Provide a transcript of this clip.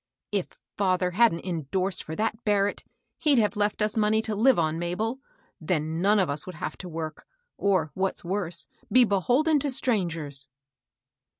" If £Either hadn't endorsed for that Barrett, he'd have left us money to live on, Mabel ; then none of us would have to work, or, what's worse, be beholden to strangers."